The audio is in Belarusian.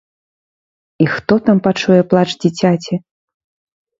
І хто там пачуе плач дзіцяці!